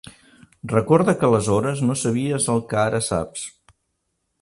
Recorda que aleshores no sabies el que ara saps.